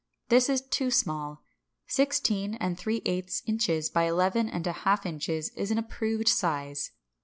This is too small. Sixteen and three eighths inches by eleven and a half inches is an approved size.